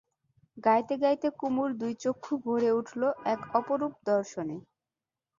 গাইতে গাইতে কুমুর দুই চক্ষু ভরে উঠল এক অপরূপ দর্শনে।